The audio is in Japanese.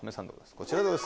こちらです。